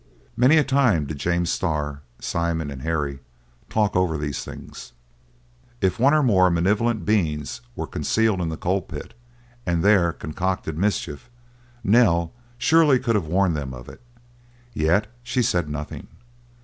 Many a time did James Starr, Simon, and Harry talk over these things. If one or more malevolent beings were concealed in the coal pit, and there concocted mischief, Nell surely could have warned them of it, yet she said nothing.